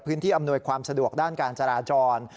พื้นที่อำนวยความสะดวกด้านการจราจร